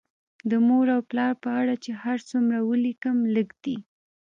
د مور او پلار په اړه چې هر څومره ولیکم لږ دي